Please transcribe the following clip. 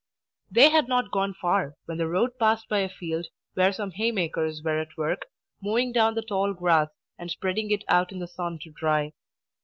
They had not gone far, when the road passed by a field where some haymakers were at work, mowing down the tall grass and spreading it out in the sun to dry.